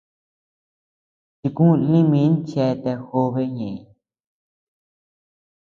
Chiku lï min cheatea jobe ñeʼeñ.